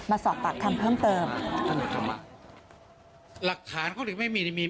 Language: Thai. มาสอบตักคำเพิ่มเติม